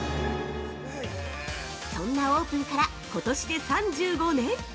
そんなオープンからことしで３５年。